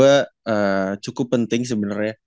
eee cukup penting sebenernya